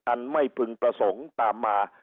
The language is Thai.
อันไม่พึงประสงค์ตามมา